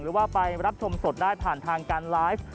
หรือว่าไปรับชมสดได้ผ่านทางการไลฟ์